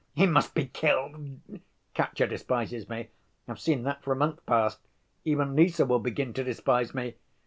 He must be killed! Katya despises me. I've seen that for a month past. Even Lise will begin to despise me!